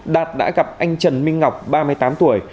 đạt đã gặp anh trần minh ngọc ba mươi tám tuổi